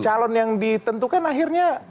calon yang ditentukan akhirnya